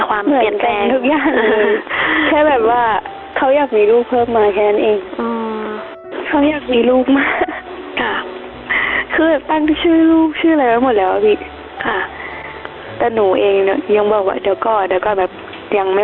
ถังเทิมไม่ได้